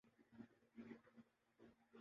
کاش گھڑی کی سوئ ٹھہر ج اور میں ی بیٹھا ر